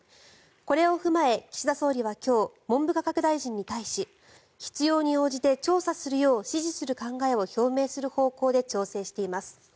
これを踏まえ岸田総理は今日文部科学大臣に対し必要に応じて調査するよう指示する考えを表明する方向で調整しています。